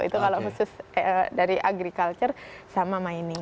itu kalau khusus dari agriculture sama mini